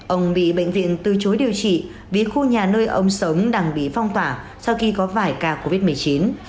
ông bị bệnh viện từ chối điều trị biến khu nhà nơi ông sớm đang bị phong tỏa sau khi có vài ca covid một mươi chín